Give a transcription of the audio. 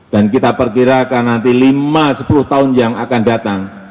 dan kita perkirakan nanti lima sepuluh tahun yang akan datang